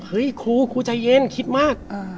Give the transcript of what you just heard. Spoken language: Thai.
เฮ้ยครูใจเย็นคิดมาก